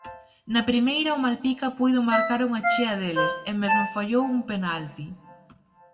Na primeira o Malpica puido marcar unha chea deles, e mesmo fallou un penalti.